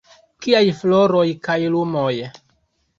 Kiaj floroj kaj lumoj?